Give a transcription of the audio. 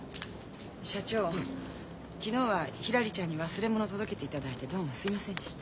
社長昨日はひらりちゃんに忘れ物を届けていただいてどうもすいませんでした。